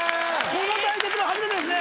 この対決は初めてですね